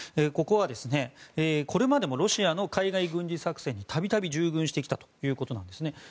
ここはこれまでもロシアの海外軍事作戦に度々、従軍してきたということなんですね。